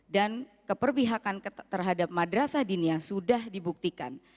dan keperpihakan terhadap madrasah dinia sudah dibuktikan